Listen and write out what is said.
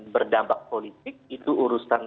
berdampak politik itu urusan